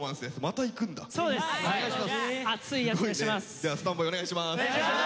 じゃあスタンバイお願いします。